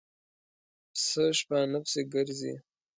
پسه شپانه پسې ګرځي.